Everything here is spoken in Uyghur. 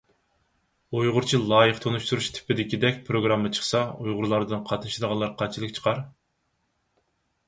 ئۇيغۇرچە لايىق تونۇشتۇرۇش تىپىدىكىدەك پىروگرامما چىقسا، ئۇيغۇرلاردىن قاتنىشىدىغانلار قانچىلىك چىقار؟